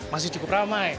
masih cukup ramai